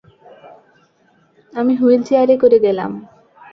আমি হুইল চেয়ারে করে গেলাম।